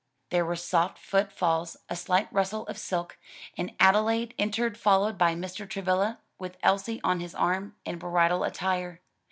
There were soft foot falls, a slight rustle of silk, and Adelaide entered followed by Mr. Travilla with Elsie on his arm, in bridal attire.